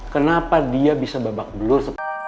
kenapa dia bisa babak belur